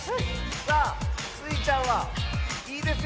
さあスイちゃんはいいですよ